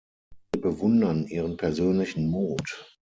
Wir bewundern Ihren persönlichen Mut.